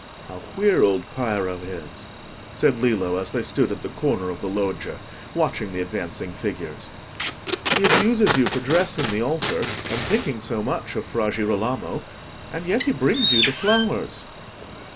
"How queer old Piero is!" said Lillo as they stood at the corner of the loggia, watching the advancing figures. "He abuses you for dressing the altar, and thinking so much of Fra Girolamo, and yet he brings you the flowers."